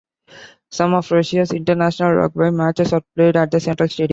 Some of Russia's international rugby matches are played at the Central Stadium.